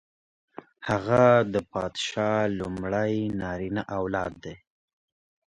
هغه د پادشاه لومړی نارینه اولاد دی.